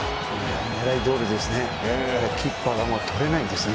狙いどおりですね。